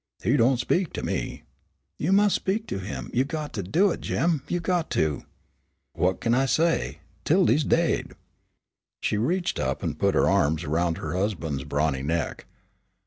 "He don't speak to me." "You mus' speak to him; you got to do it, Jim; you got to." "What kin I say? 'Tildy's daid." She reached up and put her arms around her husband's brawny neck.